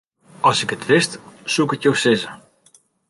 As ik it wist, soe ik it jo sizze.